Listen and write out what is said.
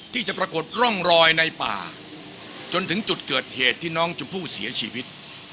ที่จะปรากฏร่องรอยในป่าจนถึงจุดเกิดเหตุที่น้องชมพู่เสียชีวิต